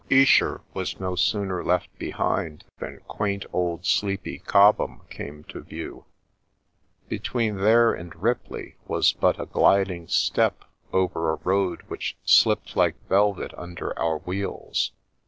Esher was no sooner left behind than quaint old sleepy Cobham came to view; between there and Ripley was but a gliding step over a road which slipped like velvet under our wheels.